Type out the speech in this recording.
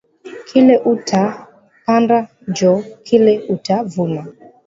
Kile uta panda njo kile uta vuna